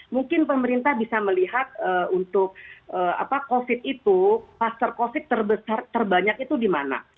mungkin pemerintah bisa melihat untuk covid itu kluster covid terbesar terbanyak itu di mana